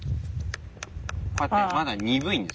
こうやってまだ鈍いんです。